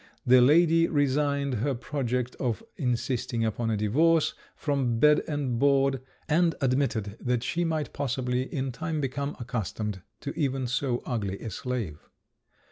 The lady resigned her project of insisting upon a divorce from bed and board, and admitted that she might possibly in time become accustomed to even so ugly a slave.